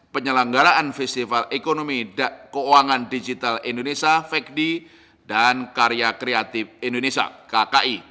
penyelenggaraan festival ekonomi dan keuangan digital indonesia dan karya kreatif indonesia